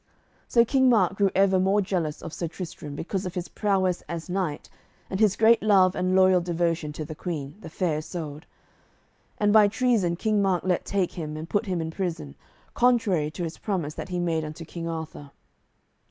So King Mark grew ever more jealous of Sir Tristram because of his prowess as knight and his great love and loyal devotion to the queen, the Fair Isoud; and by treason King Mark let take him and put him in prison, contrary to his promise that he made unto King Arthur.